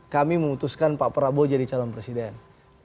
kami memutuskan pak prabowo jadi calon presiden